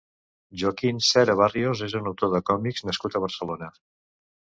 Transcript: Joaquín Cera Barrios és un autor de còmics nascut a Barcelona.